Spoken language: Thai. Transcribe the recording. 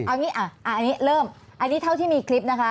เอางี้อันนี้เริ่มอันนี้เท่าที่มีคลิปนะคะ